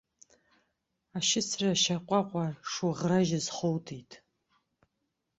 Ашьыцра шьаҟәаҟәа шуӷражьыз хутит!